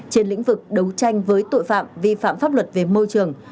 trên lĩnh vực đấu tranh với tội phạm vi phạm pháp luật về môi trường